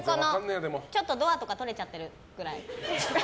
ちょっとドアとか取れちゃってるくらい。